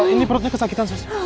ini perutnya kesakitan sus